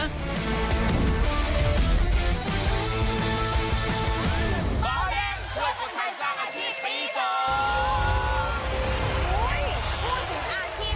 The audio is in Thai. เบาแดงช่วยคนไทยสร้างอาชีพปี๒อาชีพ